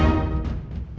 afif ada apa